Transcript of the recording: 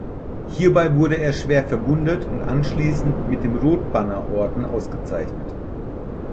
Hierbei wurde er schwer verwundet und anschließend mit dem Rotbannerorden ausgezeichnet.